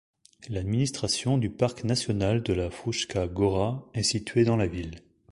L'administration du parc national de la Fruška gora est situé dans la ville.